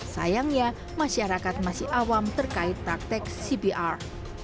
sayangnya masyarakat masih awam terkait praktek cpr